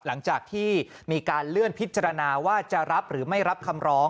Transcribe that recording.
หลังจากที่มีการเลื่อนพิจารณาว่าจะรับหรือไม่รับคำร้อง